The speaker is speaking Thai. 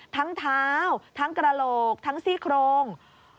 ทั้งเท้าทั้งกระโหลกทั้งซี่โครง